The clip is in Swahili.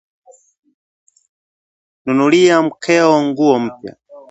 Nunulia mkeo nguo mpya